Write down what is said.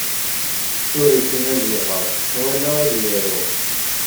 Ur yessin ad iɣer wala ad yaru.